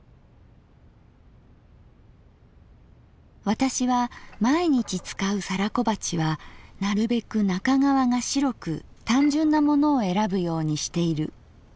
「私は毎日使う皿小鉢はなるべく中側が白く単純なものをえらぶようにしている。